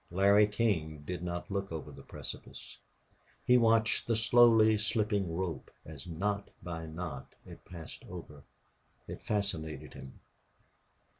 Larry King did not look over the precipice. He watched the slowly slipping rope as knot by knot it passed over. It fascinated him.